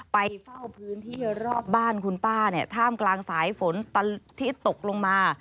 ไปเฝ้าพื้นที่รอบบ้านคุณป้าเนี่ยท่ามกลางสายฝนที่ตกลงมา